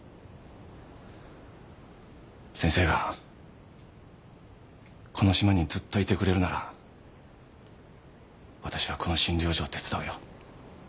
先生がこの島にずっといてくれるならわたしはこの診療所を手伝うよ。